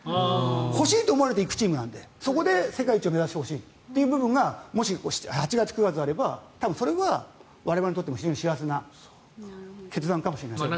欲しいと思われて行くチームなのでそこで世界一を目指してほしいというのが多分、８月、９月にあればそれは我々にとっても非常に幸せな決断かもしれませんね。